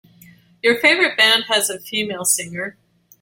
Your favorite band has a female singer.